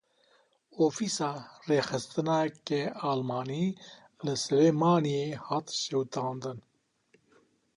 Ofîsa rêxistineke Almanî li Silêmaniyê hat şewitandin.